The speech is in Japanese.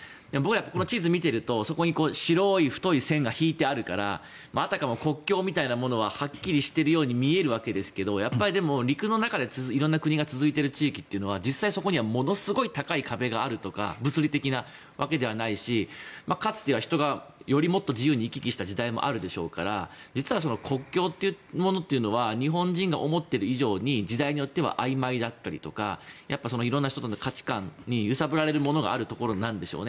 この地図を見ているとそこに白い太い線が引いてあるからあたかも国境みたいなものははっきりしているように見えるわけですがやっぱり陸の中で色んな国が続いている地域っていうのは実際、そこにはものすごい高い壁があるとか物理的なそういうわけではないしかつては人がよりもっと自由に行き来した時代もあるでしょうから実は国境というものというのは日本人が思っている以上に時代によってはあいまいだったり色んな人との価値観に揺さぶられるものがあるところなんでしょうね。